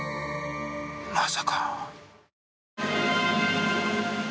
まさか。